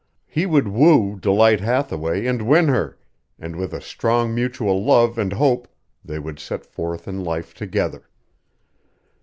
He would woo Delight Hathaway and win her, and with a strong mutual love and hope they would set forth in life together.